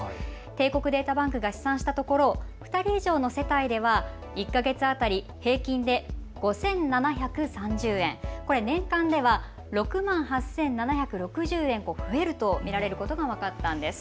帝国データバンクが試算したところ、２人以上の世帯では１か月当たり平均で５７３０円、年間では６万８７６０円増えると見られることが分かったんです。